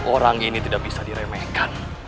orang ini tidak bisa diremehkan